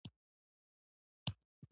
ته خبر يې چې څه يې کول.